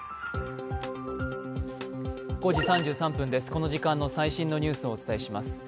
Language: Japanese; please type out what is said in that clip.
この時間の最新のニュースをお伝えします。